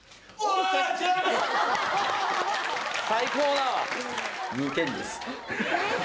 最高だわ。